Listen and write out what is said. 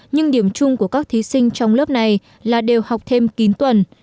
nhưng điểm chung của các thí sinh trong lớp này là đều học thêm kín tuần